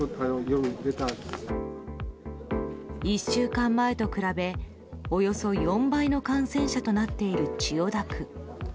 １週間前と比べおよそ４倍の感染者となっている千代田区。